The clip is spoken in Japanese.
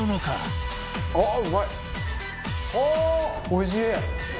おいしい！